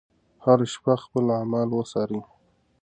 هره شپه خپل اعمال وڅارئ.